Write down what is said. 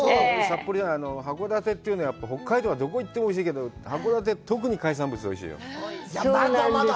函館というのは、北海道って、どこに行ってもおいしいけど、函館は特に海産物がおいしいよ。